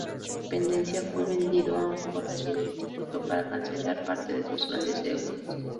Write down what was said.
Independencia, fue vendido a un conocido instituto para cancelar parte de sus grandes deudas.